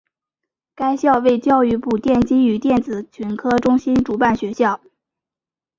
该校为教育部电机与电子群科中心主办学校。